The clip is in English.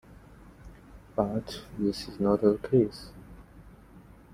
But this is not the case.